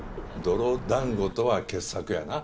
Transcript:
泥団子とは傑作やな。